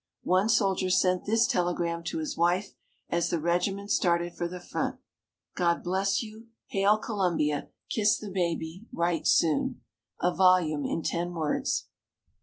One soldier sent this telegram to his wife, as the regiment started for the front: "God bless you. Hail Columbia. Kiss the baby. Write soon." A volume in ten words.